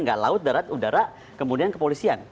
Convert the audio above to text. nggak laut darat udara kemudian kepolisian